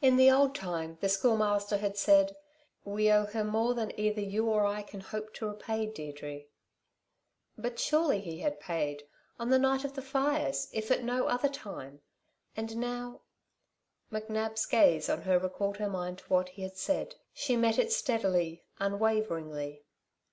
In the old time the Schoolmaster had said: "We owe her more than either you or I can hope to repay, Deirdre." But surely he had paid on the night of the fires if at no other time. And now McNab's gaze on her recalled her mind to what he had said. She met it steadily, unwaveringly.